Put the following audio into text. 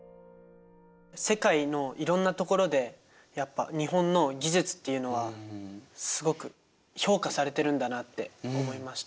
世界のいろんなところでやっぱ日本の技術っていうのはすごく評価されてるんだなって思いました。